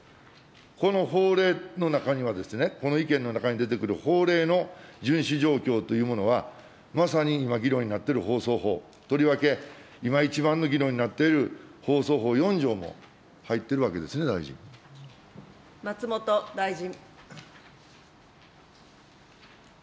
この法令の中には、この意見の中に出てくる法令の順守状況というものは、まさに今議論になっている放送法、とりわけ今一番の議論になっている放送法４条も入っているわけですね、松本大臣。